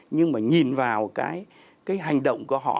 nhưng mà nhìn vào cái hành động của họ